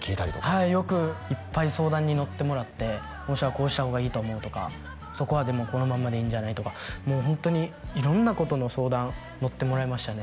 はいよくいっぱい相談に乗ってもらって「旺志郎はこうした方がいいと思う」とか「そこはでもこのまんまでいいんじゃない」とかもうホントに色んなことの相談乗ってもらいましたね